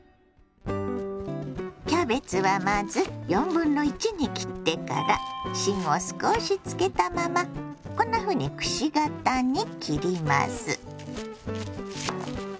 キャベツはまず1/4に切ってから芯を少しつけたままこんなふうにくし形に切ります。